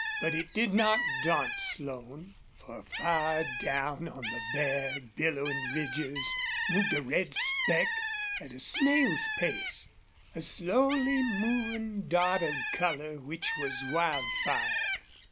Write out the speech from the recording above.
But it did not daunt Slone. For far down on the bare, billowing ridges moved a red speck, at a snail's pace, a slowly moving dot of color which was Wildfire.